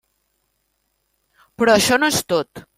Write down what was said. Però això no és tot.